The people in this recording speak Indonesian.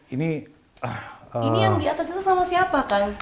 ini yang di atas itu sama siapa kan